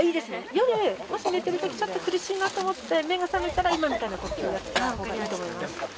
夜、もし寝てるとき、ちょっと苦しいなと思って目が覚めたら、今の呼吸だったらいいと思います。